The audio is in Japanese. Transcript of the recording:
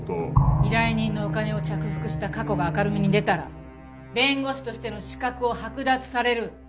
依頼人のお金を着服した過去が明るみに出たら弁護士としての資格を剥奪される。